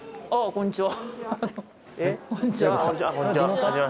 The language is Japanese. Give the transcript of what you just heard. こんにちは